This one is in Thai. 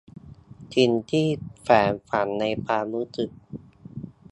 สิ่งที่แฝงฝังในความรู้สึก